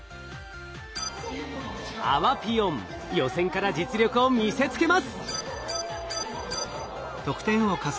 あわぴよん予選から実力を見せつけます。